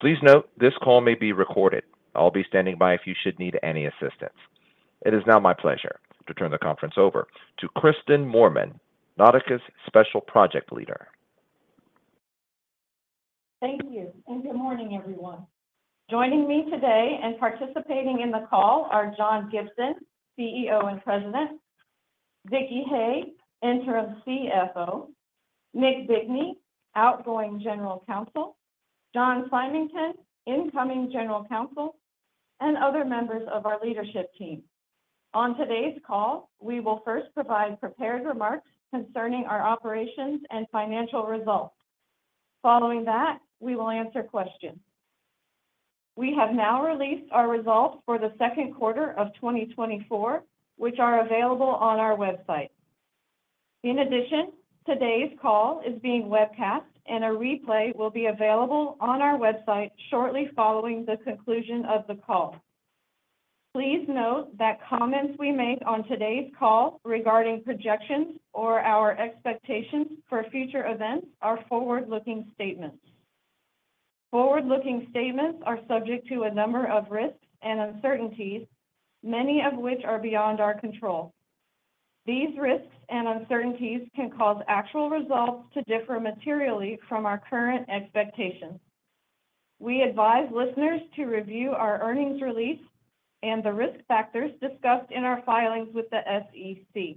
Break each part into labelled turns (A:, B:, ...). A: Please note, this call may be recorded. I'll be standing by if you should need any assistance. It is now my pleasure to turn the conference over to Kristen Moorman, Nauticus' Special Projects Leader.
B: Thank you, and good morning, everyone. Joining me today and participating in the call are John Gibson, CEO and President, Vicki Hay, Interim CFO, Nick Bigney, outgoing General Counsel, John Symington, incoming General Counsel, and other members of our leadership team. On today's call, we will first provide prepared remarks concerning our operations and financial results. Following that, we will answer questions. We have now released our results for the second quarter of 2024, which are available on our website. In addition, today's call is being webcast, and a replay will be available on our website shortly following the conclusion of the call. Please note that comments we make on today's call regarding projections or our expectations for future events are forward-looking statements. Forward-looking statements are subject to a number of risks and uncertainties, many of which are beyond our control. These risks and uncertainties can cause actual results to differ materially from our current expectations. We advise listeners to review our earnings release and the risk factors discussed in our filings with the SEC.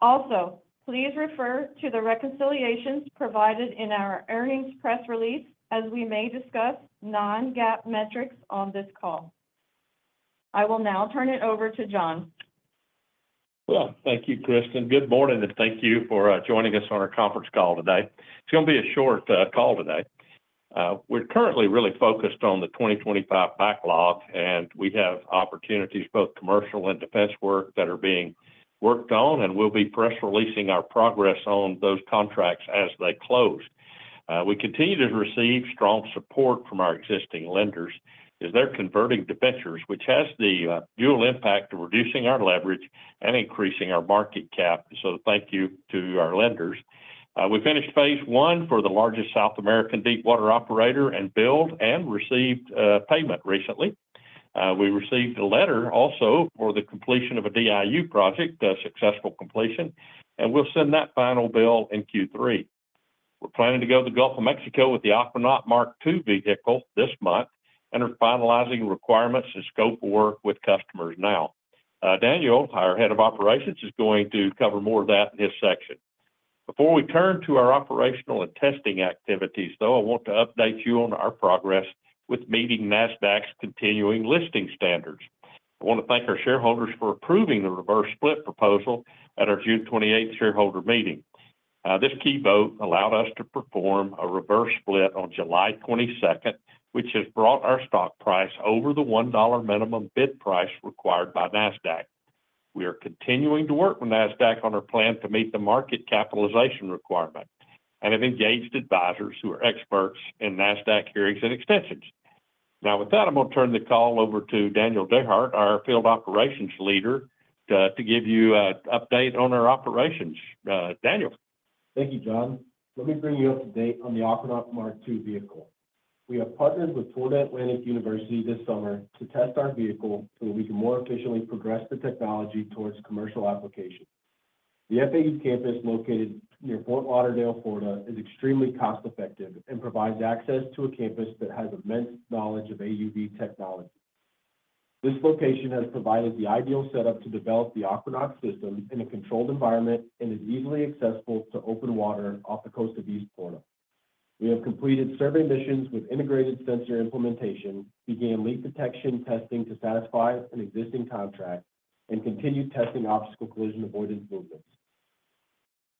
B: Also, please refer to the reconciliations provided in our earnings press release, as we may discuss non-GAAP metrics on this call. I will now turn it over to John.
C: Well, thank you, Kristen. Good morning, and thank you for joining us on our conference call today. It's gonna be a short call today. We're currently really focused on the 2025 backlog, and we have opportunities, both commercial and defense work, that are being worked on, and we'll be press releasing our progress on those contracts as they close. We continue to receive strong support from our existing lenders as they're converting to debentures, which has the dual impact of reducing our leverage and increasing our market cap. So thank you to our lenders. We finished phase one for the largest South American deepwater operator and billed and received payment recently. We received a letter also for the completion of a DIU project, a successful completion, and we'll send that final bill in Q3. We're planning to go to the Gulf of Mexico with the Aquanaut Mark II vehicle this month, and are finalizing requirements and scope of work with customers now. Daniel, our Head of Operations, is going to cover more of that in his section. Before we turn to our operational and testing activities, though, I want to update you on our progress with meeting Nasdaq's continuing listing standards. I wanna thank our shareholders for approving the reverse split proposal at our June 28th shareholder meeting. This key vote allowed us to perform a reverse split on July 22nd, which has brought our stock price over the $1 minimum bid price required by Nasdaq. We are continuing to work with Nasdaq on our plan to meet the market capitalization requirement and have engaged advisors who are experts in Nasdaq hearings and extensions. Now, with that, I'm gonna turn the call over to Daniel DeHart, our Field Operations leader, to give you an update on our operations. Daniel?
D: Thank you, John. Let me bring you up to date on the Aquanaut Mark II vehicle. We have partnered with Florida Atlantic University this summer to test our vehicle so that we can more efficiently progress the technology towards commercial application. The FAU campus, located near Fort Lauderdale, Florida, is extremely cost-effective and provides access to a campus that has immense knowledge of AUV technology. This location has provided the ideal setup to develop the Aquanaut system in a controlled environment and is easily accessible to open water off the coast of East Florida. We have completed survey missions with integrated sensor implementation, began leak detection testing to satisfy an existing contract, and continued testing obstacle collision avoidance movements.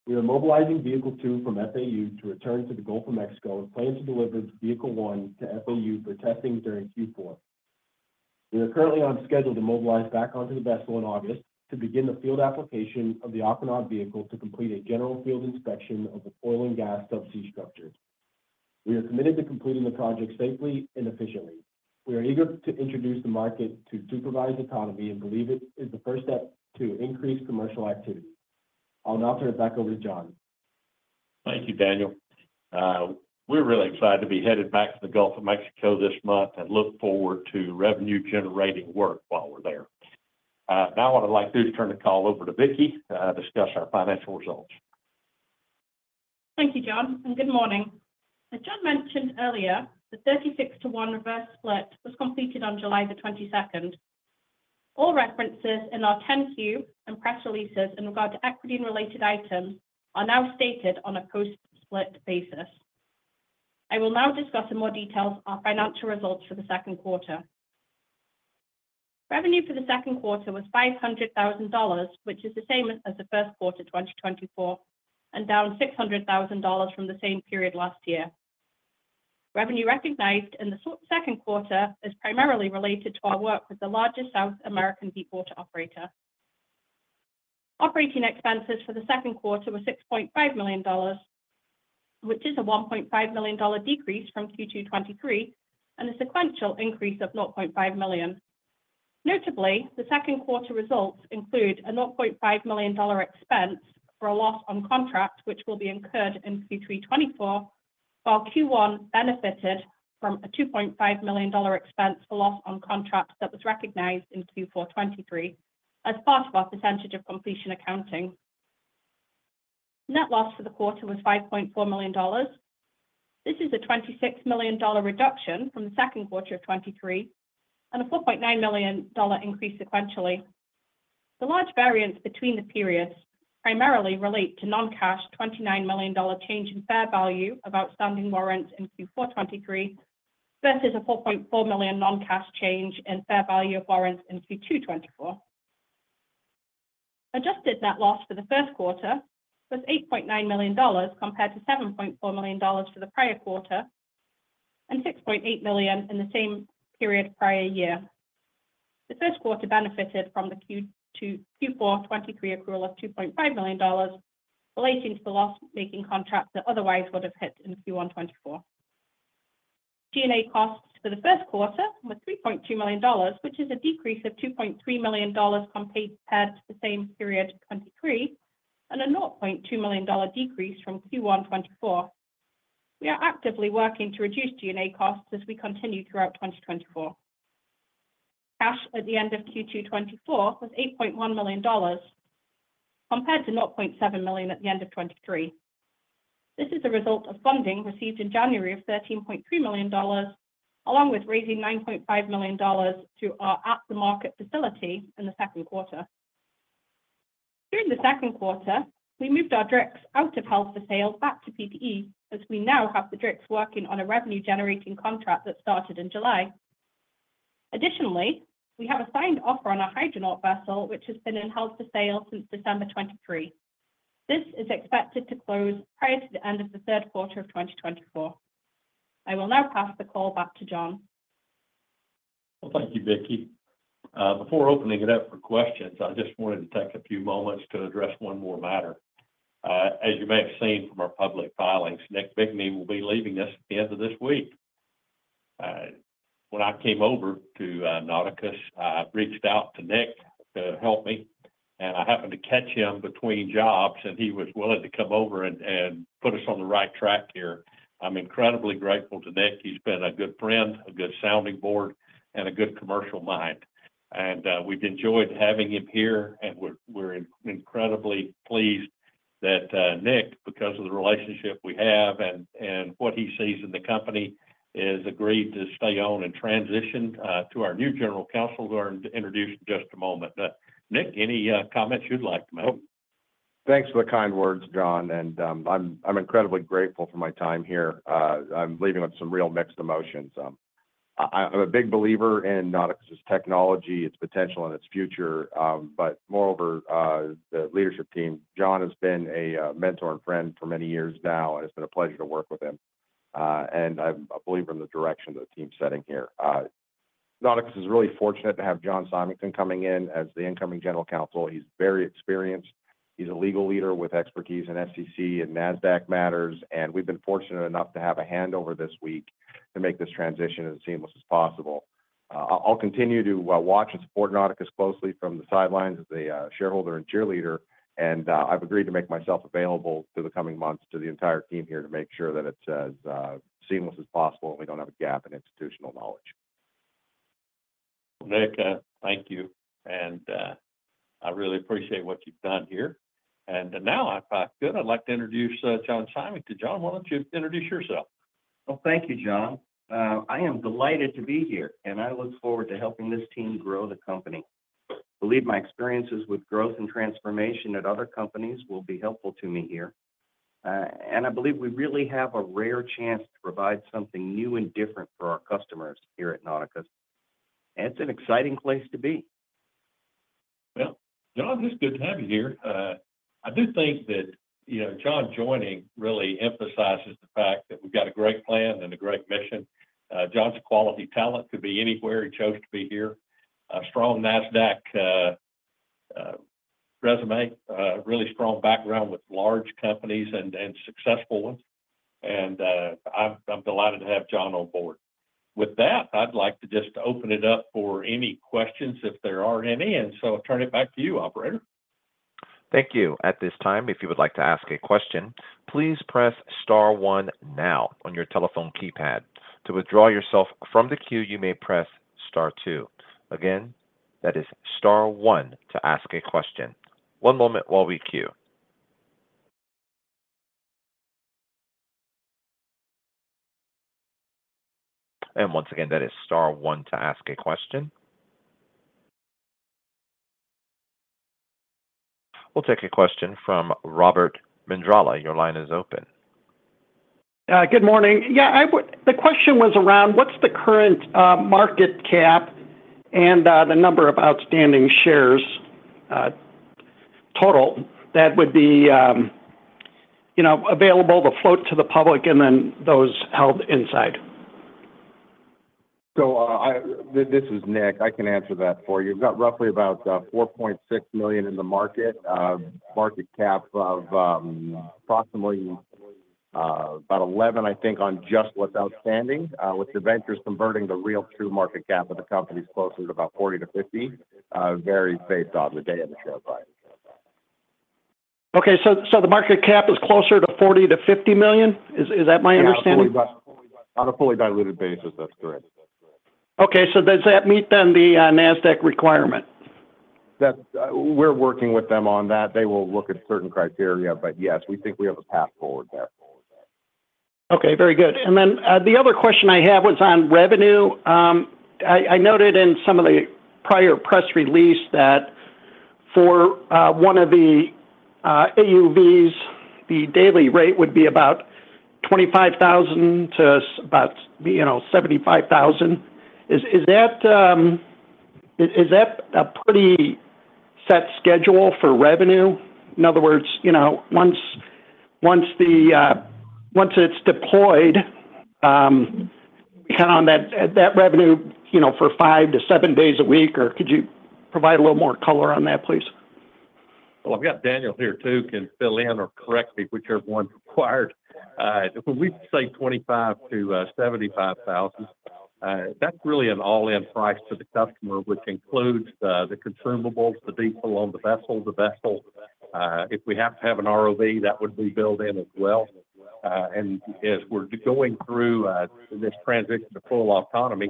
D: We are mobilizing vehicle 2 from FAU to return to the Gulf of Mexico, with plans to deliver the vehicle 1 to FAU for testing during Q4. We are currently on schedule to mobilize back onto the vessel in August to begin the field application of the Aquanaut vehicle to complete a general field inspection of the oil and gas subsea structures. We are committed to completing the project safely and efficiently. We are eager to introduce the market to supervised autonomy and believe it is the first step to increase commercial activity. I'll now turn it back over to John.
C: Thank you, Daniel. We're really excited to be headed back to the Gulf of Mexico this month and look forward to revenue-generating work while we're there. Now I'd like to turn the call over to Vicki, to discuss our financial results.
E: Thank you, John, and good morning. As John mentioned earlier, the 36-to-1 reverse split was completed on July the twenty-second. All references in our 10-Q and press releases in regard to equity and related items are now stated on a post-split basis. I will now discuss in more details our financial results for the second quarter. Revenue for the second quarter was $500,000, which is the same as the first quarter, 2024, and down $600,000 from the same period last year. Revenue recognized in the second quarter is primarily related to our work with the largest South American deepwater operator. Operating expenses for the second quarter were $6.5 million, which is a $1.5 million decrease from Q2 2023 and a sequential increase of $0.5 million. Notably, the second quarter results include a $0.5 million expense for a loss on contract, which will be incurred in Q3 2024, while Q1 benefited from a $2.5 million expense for loss on contracts that was recognized in Q4 2023 as part of our percentage of completion accounting. Net loss for the quarter was $5.4 million. This is a $26 million reduction from the second quarter of 2023 and a $4.9 million increase sequentially. The large variance between the periods primarily relate to non-cash, $29 million change in fair value of outstanding warrants in Q4 2023, versus a $4.4 million non-cash change in fair value of warrants in Q2 2024. Adjusted net loss for the first quarter was $8.9 million, compared to $7.4 million for the prior quarter, and $6.8 million in the same period prior year. The first quarter benefited from the Q4 2023 accrual of $2.5 million, relating to the loss-making contracts that otherwise would have hit in Q1 2024. G&A costs for the first quarter were $3.2 million, which is a decrease of $2.3 million compared to the same period in 2023, and a $0.2 million decrease from Q1 2024. We are actively working to reduce G&A costs as we continue throughout 2024. Cash at the end of Q2 2024 was $8.1 million, compared to $0.7 million at the end of 2023. This is a result of funding received in January of $13.3 million, along with raising $9.5 million through our at-the-market facility in the second quarter. During the second quarter, we moved our DriX out of held for sale back to PPE, as we now have the DriX working on a revenue-generating contract that started in July. Additionally, we have a signed offer on our Hydronaut vessel, which has been in held for sale since December 2023. This is expected to close prior to the end of the third quarter of 2024. I will now pass the call back to John.
C: Well, thank you, Vicki. Before opening it up for questions, I just wanted to take a few moments to address one more matter. As you may have seen from our public filings, Nick Bigney will be leaving us at the end of this week. When I came over to Nauticus, I reached out to Nick to help me, and I happened to catch him between jobs, and he was willing to come over and put us on the right track here. I'm incredibly grateful to Nick. He's been a good friend, a good sounding board, and a good commercial mind. We've enjoyed having him here, and we're, we're incredibly pleased that Nick, because of the relationship we have and, and what he sees in the company, has agreed to stay on and transition to our new General Counsel, who I'm going to introduce in just a moment. Nick, any comments you'd like to make?
F: Thanks for the kind words, John, and I'm incredibly grateful for my time here. I'm leaving with some real mixed emotions. I'm a big believer in Nauticus's technology, its potential, and its future, but moreover, the leadership team. John has been a mentor and friend for many years now, and it's been a pleasure to work with him, and I believe in the direction the team's setting here. Nauticus is really fortunate to have John Symington coming in as the incoming general counsel. He's very experienced. He's a legal leader with expertise in SEC and Nasdaq matters, and we've been fortunate enough to have a handover this week to make this transition as seamless as possible. I'll continue to watch and support Nauticus closely from the sidelines as a shareholder and cheerleader, and I've agreed to make myself available through the coming months to the entire team here to make sure that it's as seamless as possible, and we don't have a gap in institutional knowledge.
C: Nick, thank you, and I really appreciate what you've done here. And now, if I could, I'd like to introduce John Symington. John, why don't you introduce yourself?
G: Well, thank you, John. I am delighted to be here, and I look forward to helping this team grow the company. I believe my experiences with growth and transformation at other companies will be helpful to me here. and I believe we really have a rare chance to provide something new and different for our customers here at Nauticus, and it's an exciting place to be.
C: Well, John, it's good to have you here. I do think that, you know, John joining really emphasizes the fact that we've got a great plan and a great mission. John's a quality talent, could be anywhere. He chose to be here. A strong Nasdaq resume, really strong background with large companies and successful ones, and I'm delighted to have John on board. With that, I'd like to just open it up for any questions if there are any, and so I'll turn it back to you, operator.
A: Thank you. At this time, if you would like to ask a question, please press star one now on your telephone keypad. To withdraw yourself from the queue, you may press star two. Again, that is star one to ask a question. One moment while we queue. Once again, that is star one to ask a question. We'll take a question from Robert Mendrala. Your line is open.
H: Good morning. Yeah, the question was around, what's the current market cap and the number of outstanding shares, total that would be, you know, available to float to the public and then those held inside?
F: This is Nick. I can answer that for you. We've got roughly about $4.6 million in the market. Market cap of approximately- -about 11, I think, on just what's outstanding. With the ventures converting the real true market cap of the company is closer to about $40 million-$50 million, varies based on the day of the share price.
H: Okay. So, so the market cap is closer to $40 million-$50 million? Is, is that my understanding?
C: On a fully diluted basis, that's correct.
H: Okay. So does that meet then the Nasdaq requirement?
C: That's. We're working with them on that. They will look at certain criteria, but yes, we think we have a path forward there.
H: Okay, very good. And then, the other question I had was on revenue. I noted in some of the prior press release that for one of the AUVs, the daily rate would be about $25,000 to about $75,000. Is that a pretty set schedule for revenue? In other words, you know, once it's deployed, count on that revenue, you know, for 5 to 7 days a week, or could you provide a little more color on that, please?
C: Well, I've got Daniel here, too, can fill in or correct me, whichever one required. When we say $25,000-$75,000, that's really an all-in price to the customer, which includes the consumables, the diesel on the vessel, the vessel. If we have to have an ROV, that would be built in as well. And as we're going through this transition to full autonomy,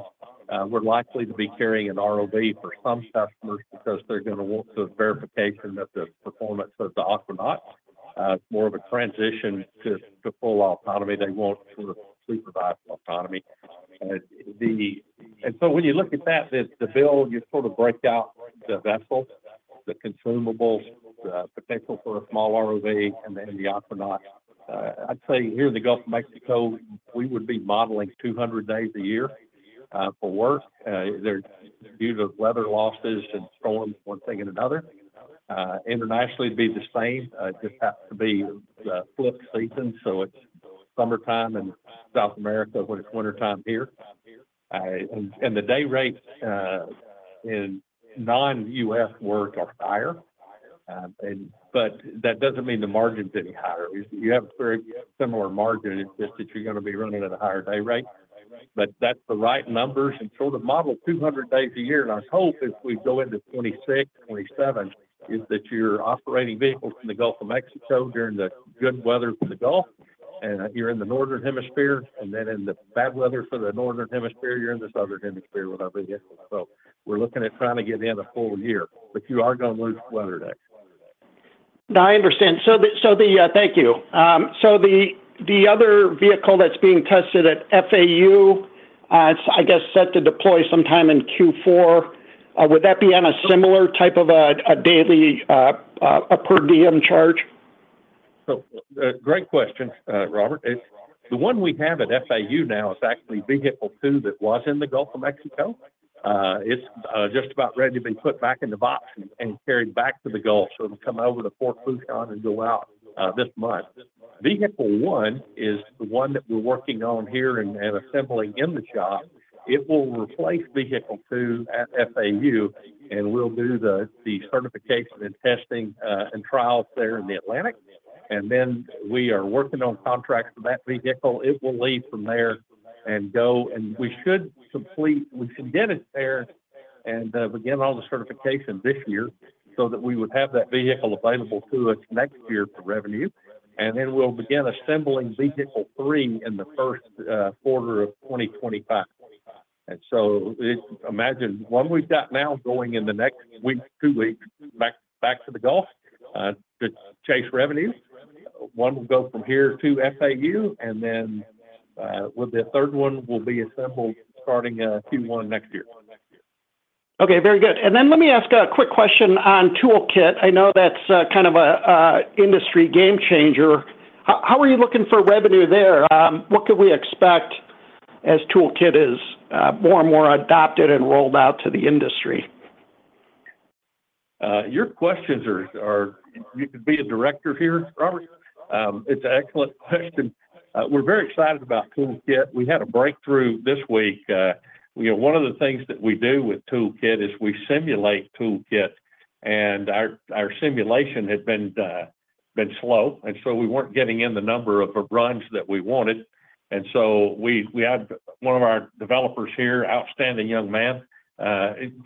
C: we're likely to be carrying an ROV for some customers because they're going to want the verification that the performance of the Aquanaut, more of a transition to full autonomy. They want sort of supervised autonomy. And so when you look at that, the bill, you sort of break out the vessel, the consumables, the potential for a small ROV, and then the Aquanaut. I'd say here in the Gulf of Mexico, we would be modeling 200 days a year, for work. There's due to weather losses and storms, one thing and another. Internationally, it'd be the same. It just happens to be the flip season, so it's summertime in South America, when it's wintertime here. And, and the day rates, in non-US work are higher, and but that doesn't mean the margin is any higher. You, you have very similar margin. It's just that you're going to be running at a higher day rate, but that's the right numbers. And so the model, 200 days a year, and our hope as we go into 2026, 2027, is that you're operating vehicles in the Gulf of Mexico during the good weather for the Gulf, and you're in the northern hemisphere, and then in the bad weather for the northern hemisphere, you're in the southern hemisphere, whatever it is. So we're looking at trying to get in a full year, but you are going to lose weather days.
H: No, I understand. Thank you. So the other vehicle that's being tested at FAU, it's, I guess, set to deploy sometime in Q4. Would that be on a similar type of a daily per diem charge?
C: So, great question, Robert. It's the one we have at FAU now is actually vehicle two that was in the Gulf of Mexico. It's just about ready to be put back in the box and carried back to the Gulf. So it'll come over to Port Fourchon and go out this month. Vehicle one is the one that we're working on here and assembling in the shop. It will replace vehicle two at FAU, and we'll do the certification and testing and trials there in the Atlantic. And then we are working on contracts for that vehicle. It will leave from there and go, and we should get it there and begin all the certification this year, so that we would have that vehicle available to us next year for revenue. Then we'll begin assembling vehicle three in the first quarter of 2025. So it's... Imagine, one we've got now going in the next week, two weeks, back to the Gulf to chase revenues. One will go from here to FAU, and then with the third one will be assembled starting Q1 next year.
H: Okay, very good. And then let me ask a quick question on ToolKITT. I know that's kind of a industry game changer. How are you looking for revenue there? What could we expect as ToolKITT is more and more adopted and rolled out to the industry?
C: Your questions are—you could be a director here, Robert. It's an excellent question. We're very excited about ToolKITT. We had a breakthrough this week. You know, one of the things that we do with ToolKITT is we simulate ToolKITT, and our simulation had been slow, and so we weren't getting in the number of runs that we wanted. And so we had one of our developers here, outstanding young man,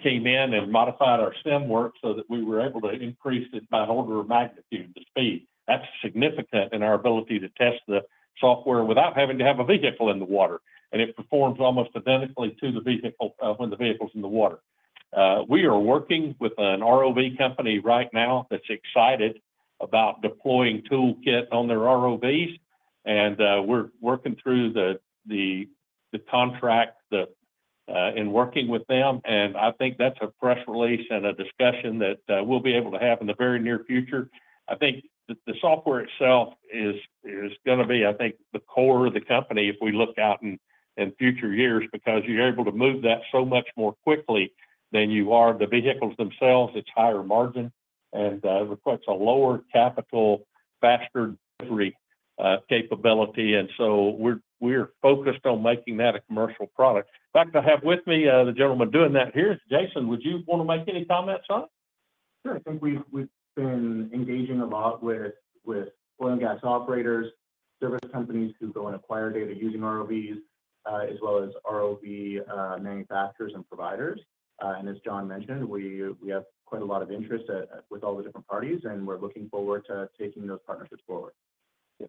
C: came in and modified our sim work so that we were able to increase it by an order of magnitude, the speed. That's significant in our ability to test the software without having to have a vehicle in the water, and it performs almost identically to the vehicle when the vehicle's in the water. We are working with an ROV company right now that's excited about deploying ToolKITT on their ROVs, and we're working through the contract in working with them, and I think that's a press release and a discussion that we'll be able to have in the very near future. I think the software itself is gonna be, I think, the core of the company, if we look out in future years, because you're able to move that so much more quickly than you are the vehicles themselves. It's higher margin and requires a lower capital, faster delivery capability. And so we're focused on making that a commercial product. In fact, I have with me the gentleman doing that here. Jason, would you want to make any comments on it?
I: Sure, I think we've been engaging a lot with oil and gas operators, service companies who go and acquire data using ROVs, as well as ROV manufacturers and providers. And as John mentioned, we have quite a lot of interest with all the different parties, and we're looking forward to taking those partnerships forward.
H: Yeah.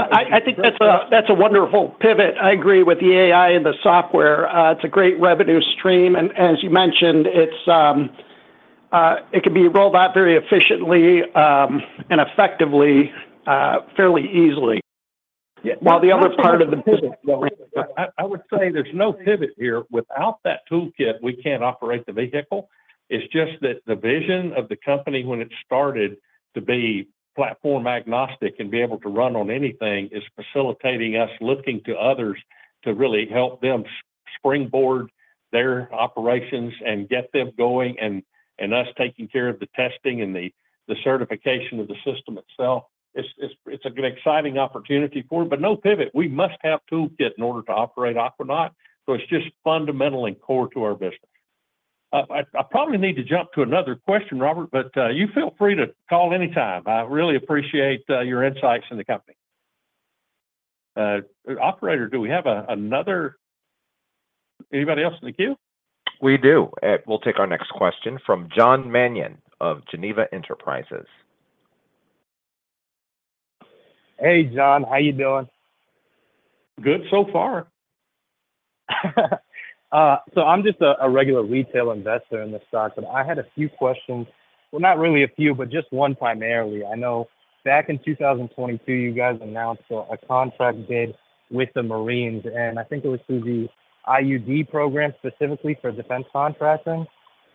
H: I, I think that's a, that's a wonderful pivot. I agree with the AI and the software. It's a great revenue stream, and as you mentioned, it's, it can be rolled out very efficiently, and effectively, fairly easily. Yeah, while the other part of the pivot-
C: I would say there's no pivot here. Without that ToolKITT, we can't operate the vehicle. It's just that the vision of the company when it started to be platform agnostic and be able to run on anything is facilitating us looking to others to really help them springboard their operations and get them going, and us taking care of the testing and the certification of the system itself. It's an exciting opportunity for it, but no pivot. We must have ToolKITT in order to operate Aquanaut, so it's just fundamental and core to our business. I probably need to jump to another question, Robert, but you feel free to call anytime. I really appreciate your insights in the company. Operator, do we have another... Anybody else in the queue?
A: We do. We'll take our next question from John Mannion of Geneva Enterprises.
C: Hey, John, how you doing?
J: Good so far. So I'm just a regular retail investor in this stock, but I had a few questions. Well, not really a few, but just one primarily. I know back in 2022, you guys announced a contract bid with the Marines, and I think it was through the DIU program, specifically for defense contracting.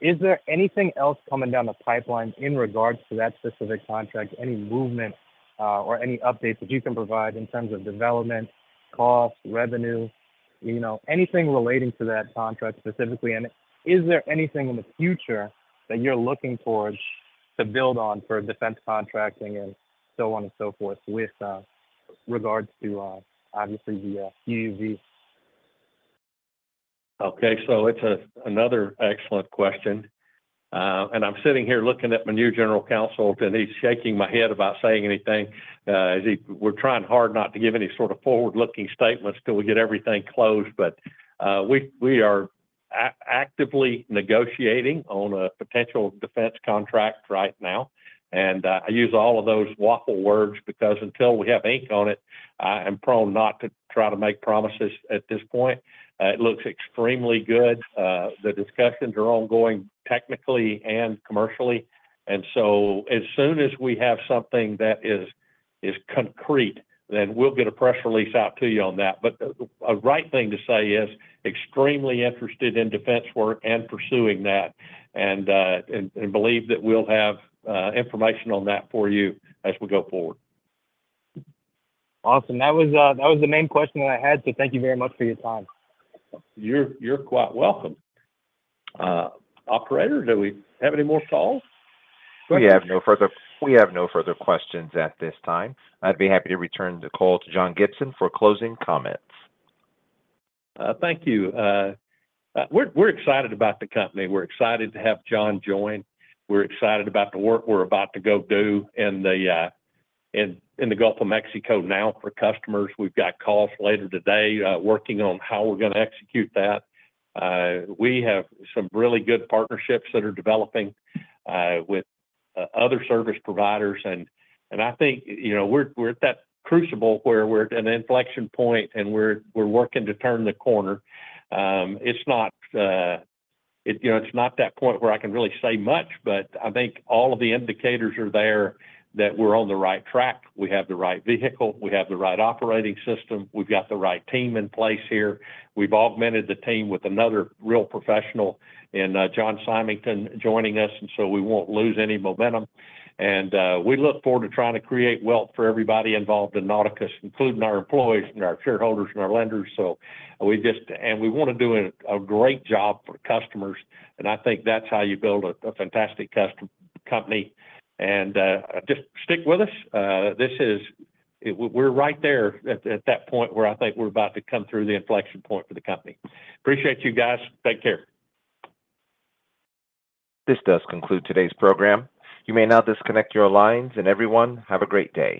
J: Is there anything else coming down the pipeline in regards to that specific contract? Any movement or any updates that you can provide in terms of development, cost, revenue, you know, anything relating to that contract specifically? And is there anything in the future that you're looking towards to build on for defense contracting and so on and so forth with regards to obviously the UUV?
C: Okay, so it's another excellent question. And I'm sitting here looking at my new general counsel, and he's shaking his head about saying anything. We're trying hard not to give any sort of forward-looking statements till we get everything closed, but we are actively negotiating on a potential defense contract right now. And I use all of those waffle words because until we have ink on it, I am prone not to try to make promises at this point. It looks extremely good. The discussions are ongoing, technically and commercially, and so as soon as we have something that is concrete, then we'll get a press release out to you on that. But the right thing to say is extremely interested in defense work and pursuing that, and believe that we'll have information on that for you as we go forward.
J: Awesome. That was, that was the main question that I had, so thank you very much for your time.
C: You're, you're quite welcome. Operator, do we have any more calls?
A: We have no further questions at this time. I'd be happy to return the call to John Gibson for closing comments.
C: Thank you. We're excited about the company. We're excited to have John join. We're excited about the work we're about to go do in the Gulf of Mexico now for customers. We've got calls later today, working on how we're gonna execute that. We have some really good partnerships that are developing with other service providers, and I think, you know, we're at that crucible where we're at an inflection point, and we're working to turn the corner. It's not, you know, it's not that point where I can really say much, but I think all of the indicators are there that we're on the right track. We have the right vehicle. We have the right operating system. We've got the right team in place here. We've augmented the team with another real professional in John Symington joining us, and so we won't lose any momentum. And we look forward to trying to create wealth for everybody involved in Nauticus, including our employees and our shareholders and our lenders. And we wanna do a great job for customers, and I think that's how you build a fantastic company. And just stick with us. This is. We're right there at that point where I think we're about to come through the inflection point for the company. Appreciate you guys. Take care.
A: This does conclude today's program. You may now disconnect your lines, and everyone, have a great day.